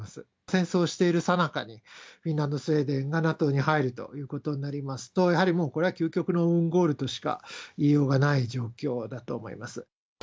戦争をしているさなかにフィンランド、スウェーデンがＮＡＴＯに入るということになると、やはりもうこれは究極のオウンゴールとしか言いようがない状況だと思います。